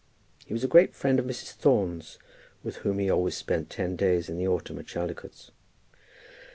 He was a great friend of Mrs. Thorne's, with whom he always spent ten days in the autumn at Chaldicotes.